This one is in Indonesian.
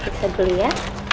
periksa dulu ya